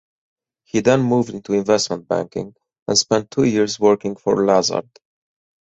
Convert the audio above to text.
He then moved into investment banking and spent two years working for Lazard.